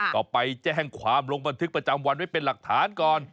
ก็ไปแจ้งความลงบันทึกประจำวันไว้เป็นหลักฐานก่อน